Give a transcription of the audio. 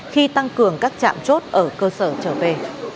khi tăng cường các trạm chốt ở cơ sở trở về